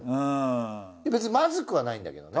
別にまずくはないんだけどね。